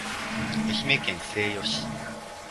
愛媛県西予市